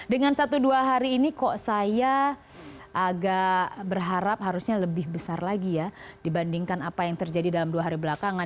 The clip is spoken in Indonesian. dengan satu dua hari ini kok saya agak berharap harusnya lebih besar lagi ya dibandingkan apa yang terjadi dalam dua hari belakangan